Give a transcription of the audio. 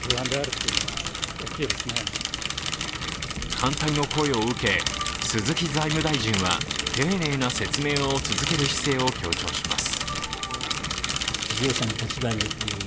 反対の声を受け、鈴木財務大臣は丁寧な説明を続ける姿勢を強調します。